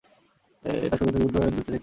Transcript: এটা সূর্য থেকে বুধ গ্রহের দূরত্বের চেয়েও কম।